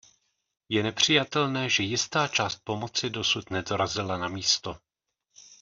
Je nepřijatelné, že jistá část pomoci dosud nedorazila na místo.